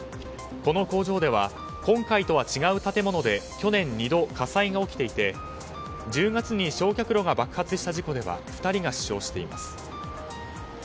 この工場では今回とは違う建物で去年２度、火災が起きていて１０月に焼却炉が爆発した事故では２人が死傷しています。